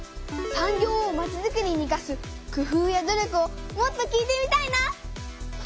産業をまちづくりにいかす工夫や努力をもっと聞いてみたいな。